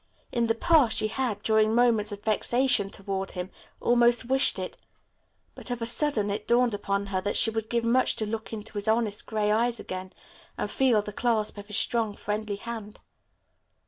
In the past she had, during moments of vexation toward him, almost wished it, but of a sudden it dawned upon her that she would give much to look into his honest gray eyes again and feel the clasp of his strong, friendly hand.